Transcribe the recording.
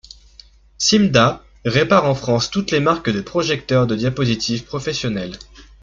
Simda répare en France toutes les marques de projecteurs de diapositives professionnels.